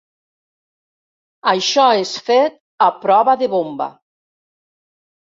Això és fet a prova de bomba.